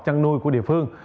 chăn nuôi của địa phương